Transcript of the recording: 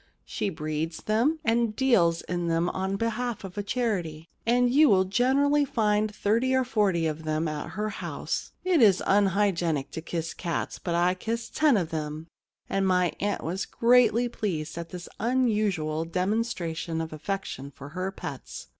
She breeds them and deals in them on behalf of a charity, and 39 The Problem Club you will generally find thirty or forty of them at her house. It is unhygienic to kiss cats, but I kissed ten of them, and my aunt was greatly pleased at this unusual demonstration of affection for her pets.